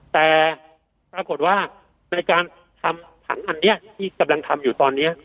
แต่ปรากฏว่าในการทำถังอันนี้ที่กำลังทำอยู่ตอนนี้